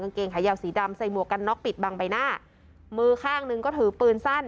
เกงขายาวสีดำใส่หมวกกันน็อกปิดบังใบหน้ามือข้างหนึ่งก็ถือปืนสั้น